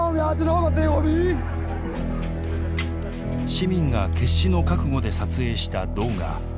市民が決死の覚悟で撮影した動画。